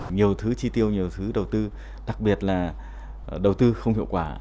nhiều thứ chi tiêu nhiều thứ đầu tư đặc biệt là đầu tư không hiệu quả